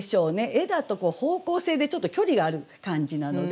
「へ」だと方向性でちょっと距離がある感じなので。